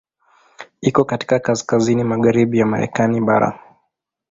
Iko katika kaskazini magharibi ya Marekani bara.